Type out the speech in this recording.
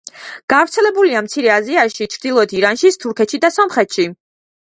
გავრცელებულია მცირე აზიაში, ჩრდილოეთ ირანში, თურქეთში და სომხეთში.